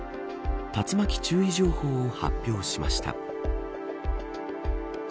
竜巻注意情報を発表しました。